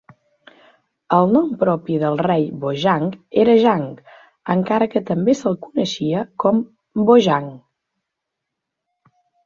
El nom propi del rei Bojang era Jang, encara que també s'el coneixia com Bojang.